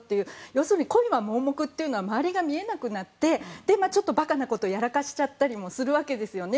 要するに恋は盲目というのは周りが見えなくなってちょっと馬鹿なことをやらかしちゃったりもするわけですよね。